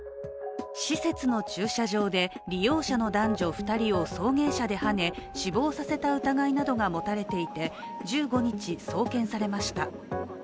施設の駐車場で利用者の男女２人を送迎車ではね死亡させた疑いなどが持たれていて１５日、送検されました。